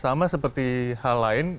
sama seperti hal lain